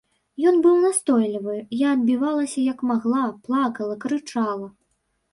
Ён быў настойлівы, я адбівалася як магла, плакала, крычала.